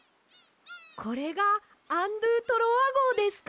これがアン・ドゥ・トロワごうですか？